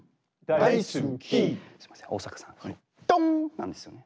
なんですよね。